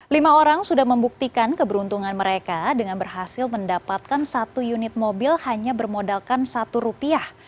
lima orang sudah membuktikan keberuntungan mereka dengan berhasil mendapatkan satu unit mobil hanya bermodalkan satu rupiah